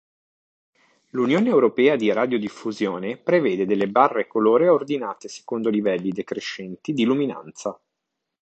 L'Unione europea di radiodiffusione prevede delle barre colore ordinate secondo livelli decrescenti di luminanza.